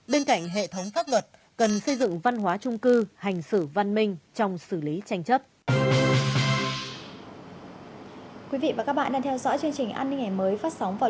bên cạnh hệ thống pháp luật cần xây dựng văn hóa trung cư hành xử văn minh trong xử lý tranh chấp